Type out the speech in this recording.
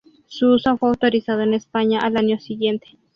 Su uso fue autorizado en España al año siguiente.